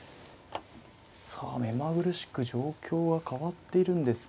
さあ目まぐるしく状況は変わっているんですけれども。